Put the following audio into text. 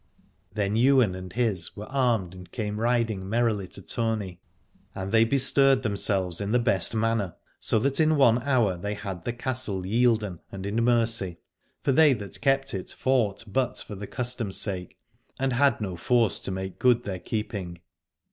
Then Ywain and his were armed and came riding merrily to tourney. And they bestirred themselves in the best manner, so that in one hour they had the castle yielden and in mercy: for they that kept it fought but for the custom's sake, and had no force to make good their keeping.